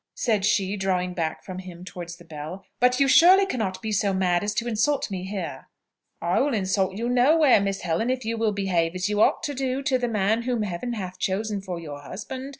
said she drawing back from him towards the bell. "But you surely cannot be so mad as to insult me here!" "I will insult you nowhere, Miss Helen, if you will behave as you ought to do to the man whom Heaven hath chosen for your husband.